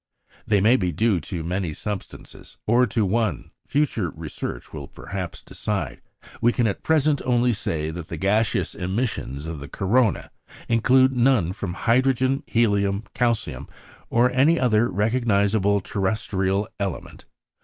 They may be due to many substances, or to one; future research will perhaps decide; we can at present only say that the gaseous emission of the corona include none from hydrogen, helium, calcium, or any other recognisable terrestrial element.